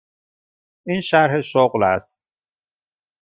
این شرح شغل است.